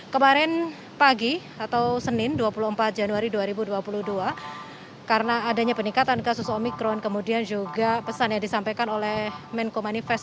kemarin pagi atau senin dua puluh empat januari dua ribu dua puluh dua karena adanya peningkatan kasus omikron kemudian juga pesan yang disampaikan oleh menko manifest